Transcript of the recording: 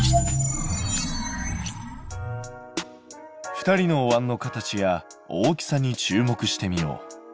２人のおわんの形や大きさに注目してみよう。